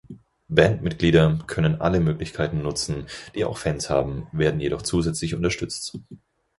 Bandmitglieder können alle Möglichkeiten nutzen, die auch Fans haben, werden jedoch zusätzlich unterstützt.